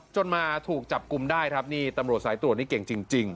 จนมาถูกจับกลุ่มได้ครับนี่ตำรวจสายตรวจนี่เก่งจริง